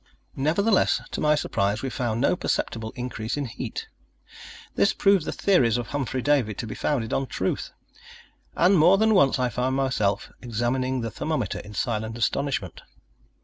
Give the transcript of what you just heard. Nevertheless, to my surprise, we found no perceptible increase in heat. This proved the theories of Humphry Davy to be founded on truth, and more than once I found myself examining the thermometer in silent astonishment.